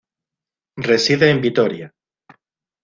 Reside en Vitoria.